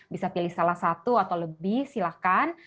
bisa pilih salah satu atau lebih silahkan